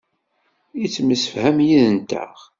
Yettemsefham yid-nteɣ.